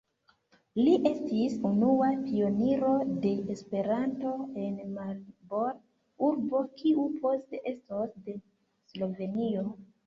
Li estis unua pioniro de Esperanto en Maribor, urbo kiu poste estos de Slovenio.